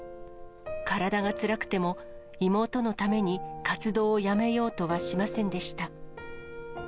体がつらくても、妹のために活動をやめようとはしませんでした。